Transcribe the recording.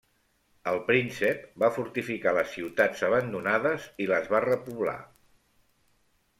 El príncep va fortificar les ciutats abandonades i les va repoblar.